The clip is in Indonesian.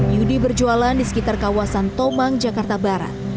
yudi berjualan di sekitar kawasan tomang jakarta barat